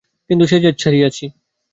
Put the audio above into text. কিন্তু সে জেদ ছাড়িয়াছি।